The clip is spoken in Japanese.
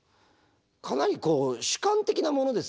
かなり主観的なものですよね。